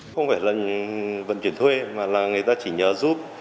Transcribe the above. không phải là vận chuyển thuê mà là người ta chỉ nhờ giúp